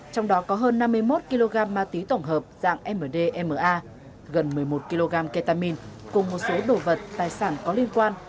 trong đó có hơn năm mươi một kg ma túy tổng hợp dạng mdma gần một mươi một kg ketamine cùng một số đồ vật tài sản có liên quan